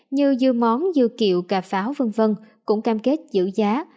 như dưa món dưa kiệu cà pháo v v cũng cam kết giữ giá